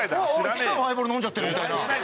知多のハイボール飲んじゃってるみたいな。